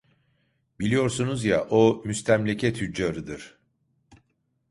Biliyorsunuz ya, o müstemleke tüccarıdır!